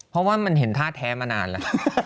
เพราะว่ามันเห็นท่าแท้มานานแล้ว